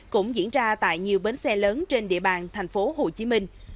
cũng diễn ra tại nhiều bến xe lớn trên địa bàn thành phố hồ chí minh